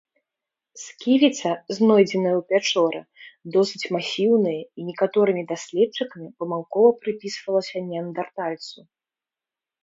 Сківіца, знойдзеная ў пячоры, досыць масіўная і некаторымі даследчыкамі памылкова прыпісвалася неандэртальцу.